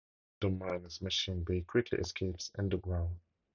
The two reach the Underminer's machine, but he quickly escapes underground.